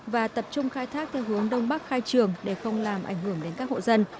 và tập trung khai thác theo hướng đông bắc khai trường để không làm ảnh hưởng đến các hộ dân